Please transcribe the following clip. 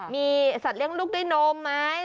มีสัตว์เลี้ยงลูกด้วยนมไหม